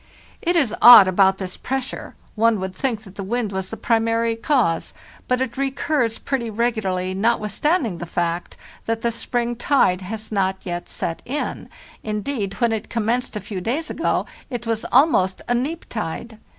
It is odd about this pressure: one would think that the wind was the primary cause; but it recurs pretty regu larly, notwithstanding the fact that the spring tide has not yet set in; indeed, when it commenced a few days ago it was almost a neap tide.